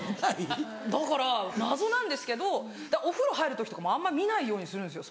だから謎なんですけどお風呂入る時とかもあんま見ないようにするんですよ